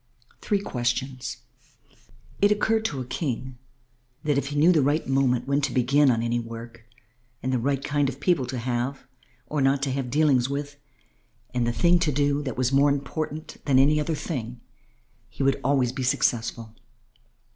THREE QUESTIONS It once occurred to a King that if he knew the right moment when to begin on any work and the right kind of people to have or not to have dealings with and the thing to do that was more important than any other thing, he would always be successful.